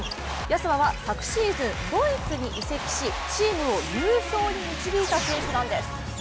安間は、昨シーズンドイツに移籍しチームを優勝に導いた選手なんです。